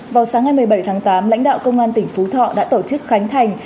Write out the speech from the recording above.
vào sáng ngày một mươi bảy tháng tám lãnh đạo công an tỉnh phú thọ đã tổ chức khánh thành